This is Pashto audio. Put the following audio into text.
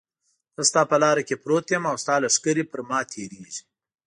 زه ستا په لاره کې پروت یم او ستا لښکرې پر ما تېرېږي.